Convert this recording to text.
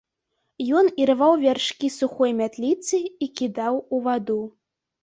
Ён ірваў вяршкі сухой мятліцы і кідаў у ваду.